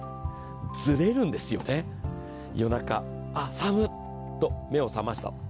ずれるんですよね、夜中、あ、寒っと目が覚めた。